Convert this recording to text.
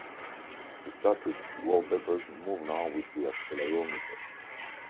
The static wallpapers move now with the accelerometer.